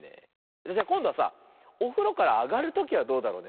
それじゃこんどはさおふろからあがるときはどうだろうね。